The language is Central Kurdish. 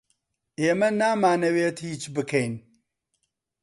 ئێمە نامانەوێت هیچ بکەین.